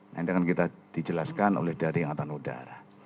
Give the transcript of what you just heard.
nah ini akan kita dijelaskan oleh dari angkatan udara